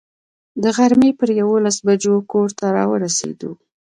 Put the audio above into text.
د غرمې پر یوولسو بجو کور ته را ورسېدو.